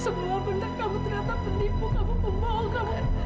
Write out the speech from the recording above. semua benda kamu ternyata penipu kamu pembohongan